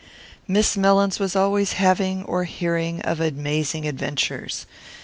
Miss Mellins was always having or hearing of amazing adventures.